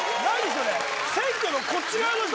それ選挙のこっち側の人？